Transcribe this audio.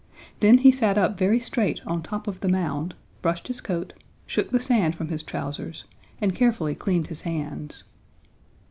Then he sat up very straight on top of the mound, brushed his coat, shook the sand from his trousers and carefully cleaned his hands.